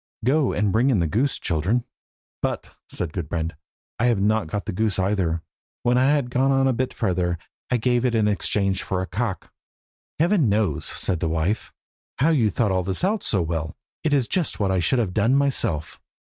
Go and bring in the goose, children." "But," said Gudbrand, "I have not got the goose either. When I had gone a bit further I gave it in exchange for a cock." "Heaven knows," said his wife, "how you thought all this out so well! It is just what I should have done myself.